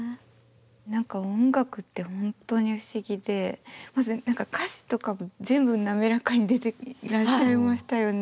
何か音楽って本当に不思議で歌詞とか全部なめらかに出ていらっしゃいましたよね。